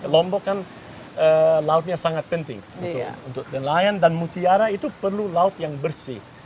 lombok kan lautnya sangat penting untuk nelayan dan mutiara itu perlu laut yang bersih